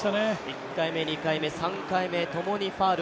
１回目、２回目、３回目ともにファウル。